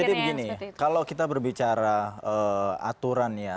jadi begini kalau kita berbicara aturannya